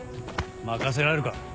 任せられるか。